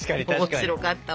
面白かったわ。